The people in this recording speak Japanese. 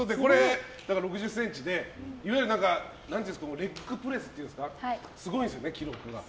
６０ｃｍで、いわゆるレッグプレスっていうんですかすごいんですよね、記録が。